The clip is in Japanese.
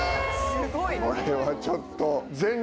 ・これはちょっと。